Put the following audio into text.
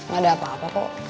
gak ada apa apa kok